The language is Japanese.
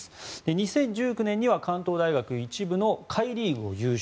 ２０１９年には関東大学１部の下位リーグを優勝。